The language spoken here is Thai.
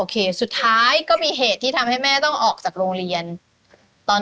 โอเคสุดท้ายก็มีเหตุที่ให้แม่ออกจากโรงเรียน